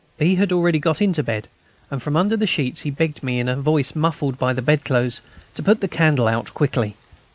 B. had already got into bed, and, from under the sheets, he begged me, in a voice muffled by the bed clothes, to put the candle out quickly.